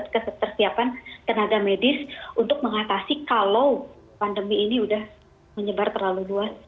ketersiapan tenaga medis untuk mengatasi kalau pandemi ini sudah menyebar terlalu luas